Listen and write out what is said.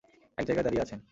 এক জায়গায় দাঁড়িয়েই আছেন।